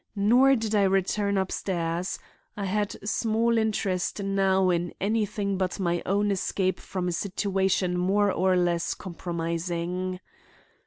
Nor did I return upstairs. I had small interest now in anything but my own escape from a situation more or less compromising.